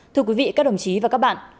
thưa quý vị các đồng chí và các bạn